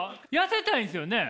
痩せたいんっすよね？